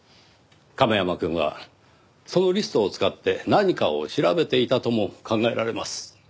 亀山くんはそのリストを使って何かを調べていたとも考えられます。